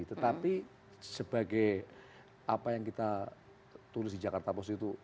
tetapi sebagai apa yang kita tulis di jakarta post itu